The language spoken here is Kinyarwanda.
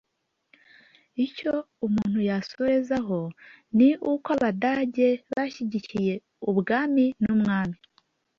icyo umuntu yasozerezaho ni uko abadage bashyigikiye ubwami n'umwami,